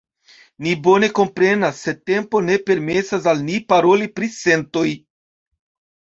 Ni bone komprenas, sed tempo ne permesas al ni paroli pri sentoj.